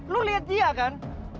lo liat dia kan